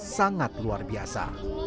sangat luar biasa